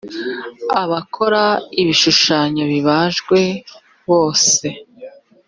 abakora ibishushanyo bibajwe bose